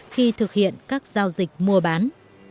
khi thực hiện các giao dịch mua bán